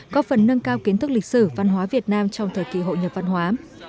có phần nâng cao kiến thức lịch sử văn hóa việt nam trong thời kỳ hội nhập văn hóa